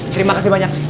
terima kasih banyak